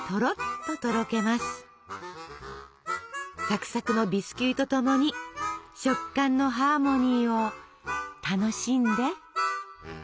さくさくのビスキュイと共に食感のハーモニーを楽しんで。